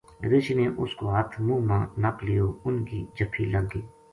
رچھ نے اس کو ہتھ منہ ما نپ لیو اُنھ کی جَپھی لگ گئی